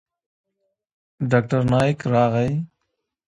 ډاکتر نايک راغى.